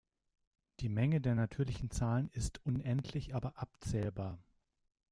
Die Menge der natürlichen Zahlen ist unendlich aber abzählbar.